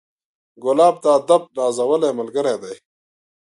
ګلاب د ادب نازولی ملګری دی.